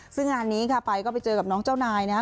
ซึ่งงานนี้ค่ะไปก็ไปเจอกับน้องเจ้านายนะครับ